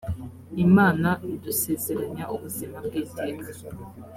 imana idusezeranya ubuzima bw’iteka